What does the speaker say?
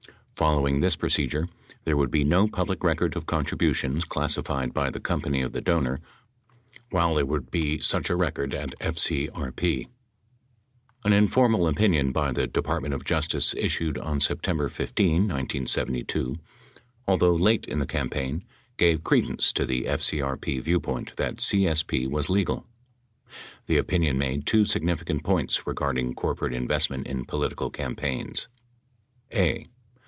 Following this procedure, there would be no public record of contributions clas sified by the company of the donor while there would be such a record at FCRP. An informal opinion by the Department of Justice issued on Septem ber 15, 1972, although late in the campaign, gave credence to the FCRP viewpoint that CSP was legal. The opinion made two significant points regarding corporate involvement in political campaigns: a.